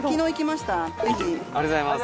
ありがとうございます。